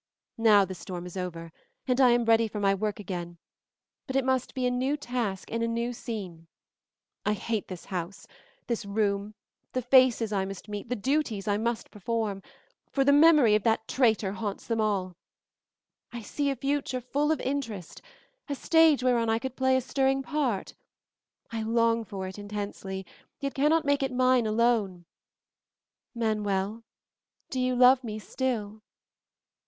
Now the storm is over, and I am ready for my work again, but it must be a new task in a new scene. I hate this house, this room, the faces I must meet, the duties I must perform, for the memory of that traitor haunts them all. I see a future full of interest, a stage whereon I could play a stirring part. I long for it intensely, yet cannot make it mine alone. Manuel, do you love me still?"